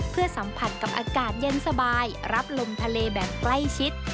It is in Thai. เพื่อสัมผัสกับอากาศเย็นสบายรับลมทะเลแบบใกล้ชิด